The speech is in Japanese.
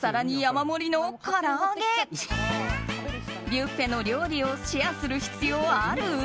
ビュッフェの料理をシェアする必要ある？